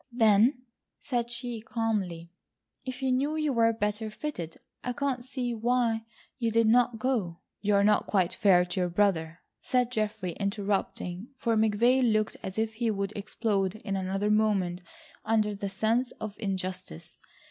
"Then," said she calmly, "if you knew you were better fitted I can't see why you did not go." "You are not quite fair to your brother," said Geoffrey interrupting, for McVay looked as if he would explode in another moment under the sense of injustice.